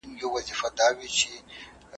ژوند لکه لمبه ده بقا نه لري `